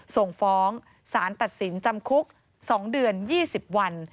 ส่งฟ้องสารตัดสินจำคุก๒เดือน๒๐วัน